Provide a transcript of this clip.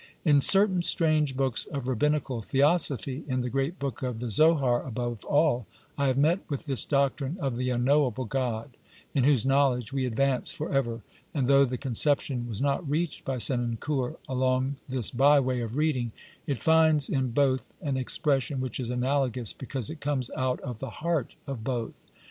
In certain strange books of rabbinical theosophy — in the great book of the Zohar above all — I have met with this doctrine of the unknowable God in whose knowledge we advance for ever, and though the conception was not reached by Senancour along this by way of reading, it finds in both an expression which is analogous because it comes out of the heart of both.